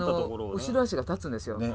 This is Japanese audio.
後ろ足が立つんですよね。